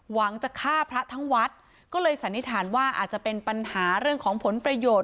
หวังจะฆ่าพระทั้งวัดก็เลยสันนิษฐานว่าอาจจะเป็นปัญหาเรื่องของผลประโยชน์